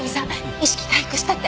意識回復したって！